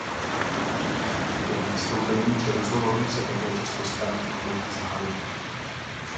Během vystoupení či rozhovorů se také často staví k publiku zády.